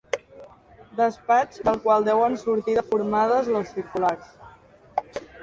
Despatx del qual deuen sortir deformades les circulars.